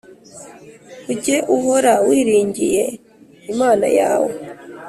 ujye uhora wiringiye Imana yawe.